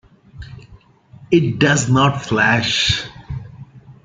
It does not flash.